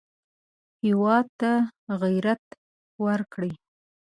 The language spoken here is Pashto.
هېواد ته غیرت ورکړئ